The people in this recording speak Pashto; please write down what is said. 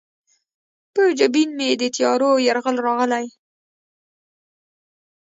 په جبین مې د تیارو یرغل راغلی